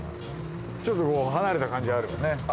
ちょっと離れた感じあるよね。